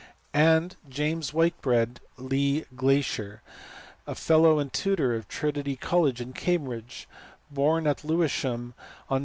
And James Whitbread Lee Glaisher, fellow and tutor of Trinity College, Cambridge, born at Lewisham on Nov.